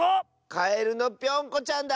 カエルのぴょんこちゃんだ！